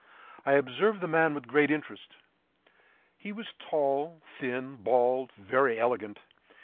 I observed the man with great interest. He was tall, thin, bald, and very elegant.